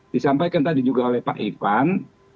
disampaikan tadi juga oleh pak ivan